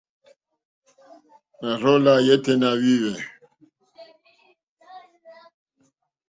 Nà rzô lá yêténá wìhwɛ̂.